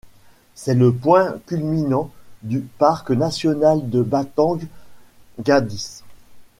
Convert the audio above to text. C'est le point culminant du parc national de Batang Gadis.